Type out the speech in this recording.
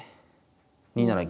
２七銀。